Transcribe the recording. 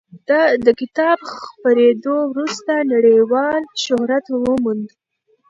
د کتاب خپرېدو وروسته نړیوال شهرت وموند.